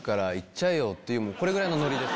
これぐらいのノリです。